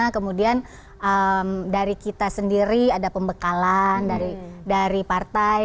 kemudian dari kita sendiri ada pembekalan dari partai